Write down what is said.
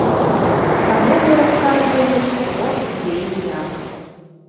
Таму мы расказвалі што, дзе і як.